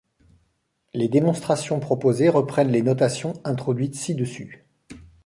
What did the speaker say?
Les démonstrations proposées reprennent les notations introduites ci-dessus.